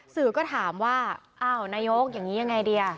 สื่อก็ถามว่าอ้าวนายกอย่างนี้ยังไงดี